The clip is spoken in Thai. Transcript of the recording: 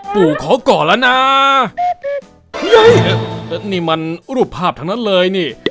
ปู่ขอก่อนละนะนี่มันรูปภาพทั้งนั้นเลยนี่